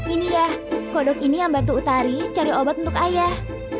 ini ya kodok ini yang bantu utari cari obat untuk ayah